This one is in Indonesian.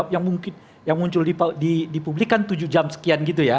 yang mungkin yang muncul di publikan tujuh jam sekian